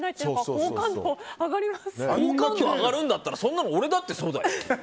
好感度上がるんだったらそんなの俺だってそうだよ。